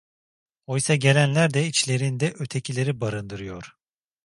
Oysa gelenler de içlerinde “ötekileri” barındırıyor.